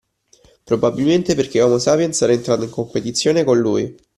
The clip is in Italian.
Probabilmente perché Homo Sapiens era entrato in competizione con lui